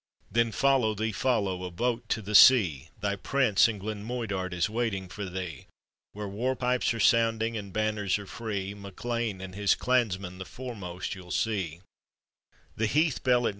Then follow thee! follow ! a boat to the Ma! Thy Prince in Glen Moidart is waiting for thee; Where war pipes aro sounding and banner, lire free: MacLean and his clansmen the foremost you'll sec 424 APPENDIX.